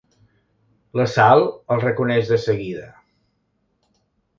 La Sal el reconeix de seguida.